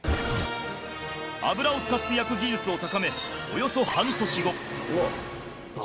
油を使って焼く技術を高めおよそ半年後。